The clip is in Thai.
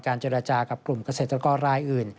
เจรจากับกลุ่มเกษตรกรรายอื่น